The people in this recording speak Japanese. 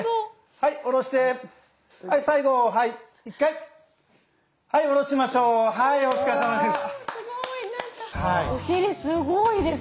はいお疲れさまです！